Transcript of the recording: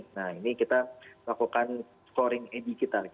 nah ini kita lakukan scoring edi kita